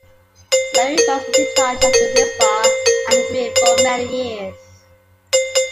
Laurie Ross was in charge of the Ritz Bar and Grill for many years.